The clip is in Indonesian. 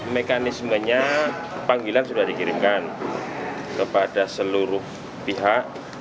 mekanismenya panggilan sudah dikirimkan kepada seluruh pihak